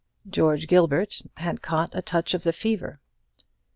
George Gilbert had caught a touch of the fever.